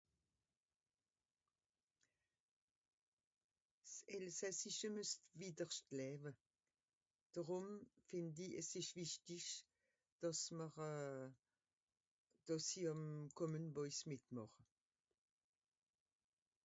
Elsässische müess witterschtläwe, dorum find i es isch wischtisch, dàss mr euh dàss i àm Common Voice mitmàch